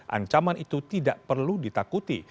ancaman itu tidak perlu ditakuti